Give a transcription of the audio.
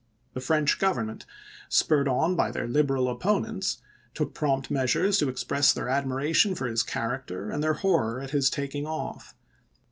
The French Government, spurred on by their Liberal opponents, took prompt measures to express their admiration for his character and their horror at his taking off.